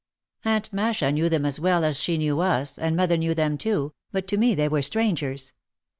Aunt Masha knew them as well as she knew us, and mother knew them too, but to me they were strangers.